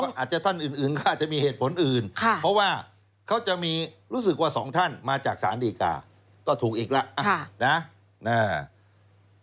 อาจจะท่านอื่นก็อาจจะมีเหตุผลอื่นเพราะว่าเขาจะมีรู้สึกว่าสองท่านมาจากศาลดีกาก็ถูกอีกแล้วนะ